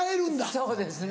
そうですね